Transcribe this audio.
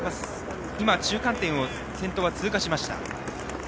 中間点を先頭が通過しました。